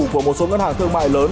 của một số ngân hàng thương mại lớn